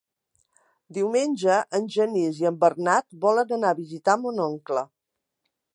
Diumenge en Genís i en Bernat volen anar a visitar mon oncle.